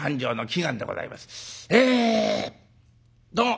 「えどうも。